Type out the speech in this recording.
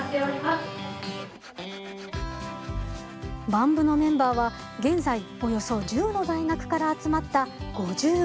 ＢＡＭ部のメンバーは現在およそ１０の大学から集まった５５人。